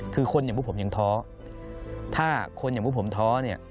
คุณหนูเป็นเป็นเจ้าหน้าที่พิทักภัณฑ์